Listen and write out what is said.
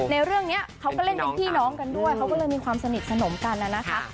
ในเรื่องนี้เขาก็เล่นเป็นพี่น้องกันด้วยเขาก็เลยมีความสนิทสนมกันนะคะ